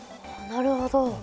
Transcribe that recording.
なるほど。